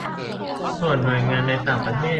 ส่วนหน่วยงานในต่างประเทศ